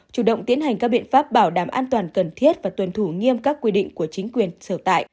chủ động tiến hành các biện pháp bảo đảm an toàn cần thiết và tuân thủ nghiêm các quy định của chính quyền sở tại